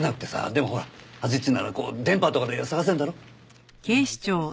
でもほら土師っちなら電波とかで捜せるだろ？